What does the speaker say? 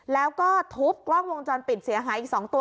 แล้วก็ทุบกล้องวงจรปิดเสียหายอีก๒ตัว